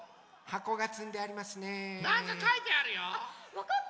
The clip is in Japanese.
わかった！